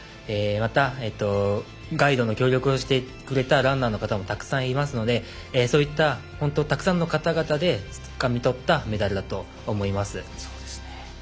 また、ガイドの協力をしてくれたランナーの方もたくさんいらっしゃいますのでそういった本当にたくさんのかたがたでつかみ取ったメダルだと思います。